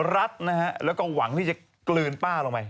รัดนะฮะแล้วก็หวังที่จะกลืนป้าลงไป